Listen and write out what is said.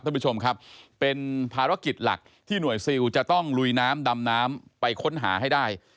ท่านผู้ชมครับเป็นภารกิจหลักที่หน่วยซิลจะต้องลุยน้ำดำน้ำไปค้นหาให้ได้